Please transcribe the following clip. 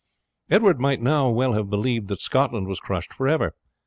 Edward might now well have believed that Scotland was crushed for ever.